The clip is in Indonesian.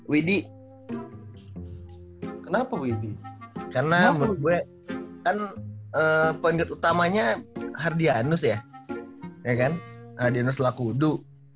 widhi kenapa widhi kenapa gue kan penyurut utamanya hardianus ya ya kan hardianus lakudu